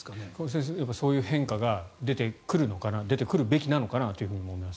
先生、そういう変化が出てくるのかな出てくるべきなのかなと思います。